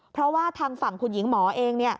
เพราะว่าทางฝั่งคุณหญิงหมอเอง